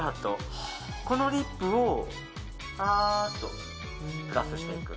このリップをさーっとプラスしていく。